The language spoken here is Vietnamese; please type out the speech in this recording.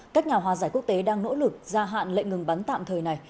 các nhà hòa giải quốc tế đang nỗ lực gia hạn lệnh ngừng bắn tạm thời này